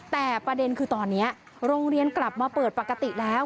แต่ประเด็นคือตอนนี้โรงเรียนกลับมาเปิดปกติแล้ว